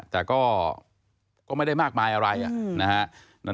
แต่ก็ไม่ได้มากมายอะไรนะฮะ